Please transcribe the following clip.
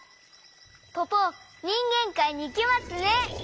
ポポにんげんかいにいけますね！